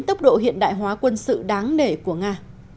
tốc độ hiện đại hóa quân sự đáng nể của nga